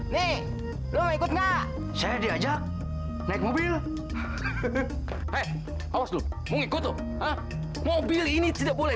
nih lo ikut nah saya diajak naik mobil eh awas dulu mau ikut mobil ini tidak boleh